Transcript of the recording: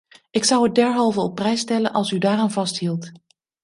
Ik zou het derhalve op prijs stellen als u daaraan vasthield.